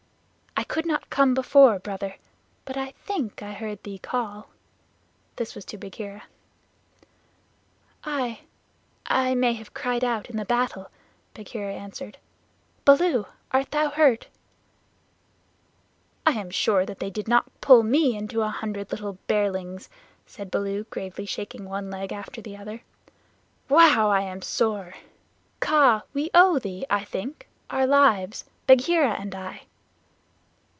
"I could not come before, Brother, but I think I heard thee call" this was to Bagheera. "I I may have cried out in the battle," Bagheera answered. "Baloo, art thou hurt? "I am not sure that they did not pull me into a hundred little bearlings," said Baloo, gravely shaking one leg after the other. "Wow! I am sore. Kaa, we owe thee, I think, our lives Bagheera and I."